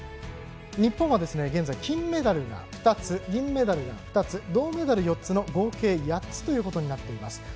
日本は現在、金メダルが２つ銀メダルが２つ、銅メダル４つの合計８つとなっています。